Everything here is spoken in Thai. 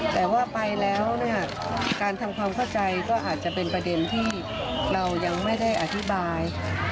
แต่ว่าไปแล้วเนี่ยการทำความเข้าใจก็อาจจะเป็นประเด็นที่เรายังไม่ได้อธิบาย